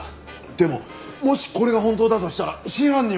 でももしこれが本当だとしたら真犯人は。